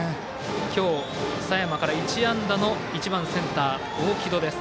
今日、佐山から１安打の１番センター、大城戸です。